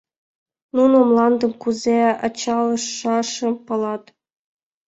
Нуно мландым кузе ачалышашым палат.